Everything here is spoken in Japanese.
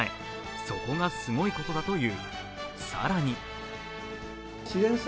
そこがすごいところだという。